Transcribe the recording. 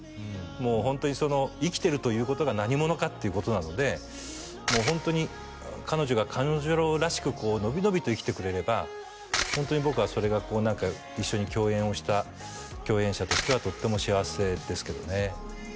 もうホントに生きてるということが何者かということなのでもうホントに彼女が彼女らしくこう伸び伸びと生きてくれればホントに僕はそれがこう何か一緒に共演をした共演者としてはとっても幸せですけどね